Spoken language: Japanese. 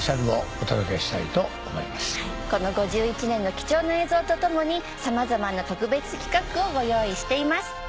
はいこの５１年の貴重な映像と共にさまざまな特別企画をご用意しています